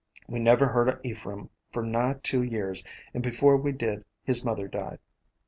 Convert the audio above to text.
"We never heard o' Ephraim for nigh two years, and before we did his mother died.